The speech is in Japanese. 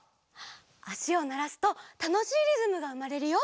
あしをならすとたのしいリズムがうまれるよ。